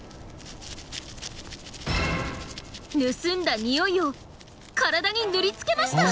盗んだ匂いを体に塗りつけました！